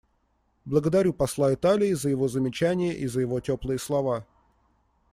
Благодарю посла Италии за его замечания и за его теплые слова.